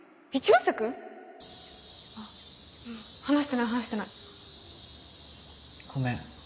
ううん話してない話してないごめん